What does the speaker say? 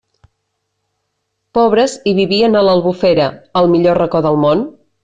Pobres i vivien a l'Albufera, el millor racó del món?